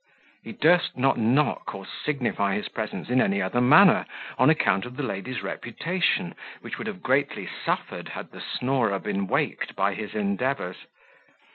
He durst not knock or signify his presence in any other manner, on account of the lady's reputation, which would have greatly suffered had the snorer been waked by his endeavours.